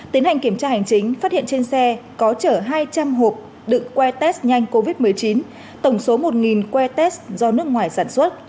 tiến hành kiểm tra hành chính phát hiện trên xe có chở hai trăm linh hộp đựng que test nhanh covid một mươi chín tổng số một que test do nước ngoài sản xuất